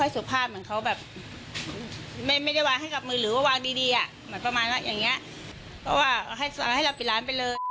สสิบ